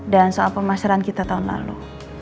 dan soal pemasaran kita tahun lalu